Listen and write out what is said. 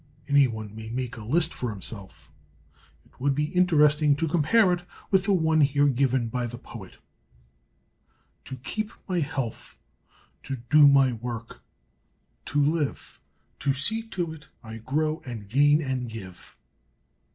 Any one may make a list for himself. It would be interesting to compare it with the one here given by the poet. To keep my health! To do my work! To live! To see to it I grow and gain and give!